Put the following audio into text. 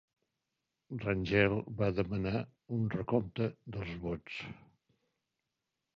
Rangel va demanar un recompte dels vots.